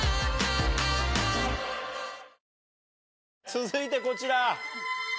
続いてこちら。